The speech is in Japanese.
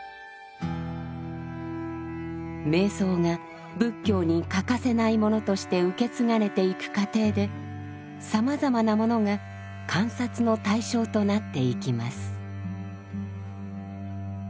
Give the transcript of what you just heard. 瞑想が仏教に欠かせないものとして受け継がれていく過程でさまざまなものが観察の対象となっていきます。